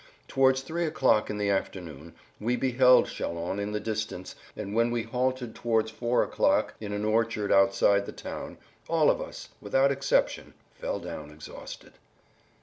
Towards three o'clock in the afternoon we beheld Châlons in the distance, and when we halted towards four o'clock in an orchard outside the town, all of us, without an exception, fell down exhausted.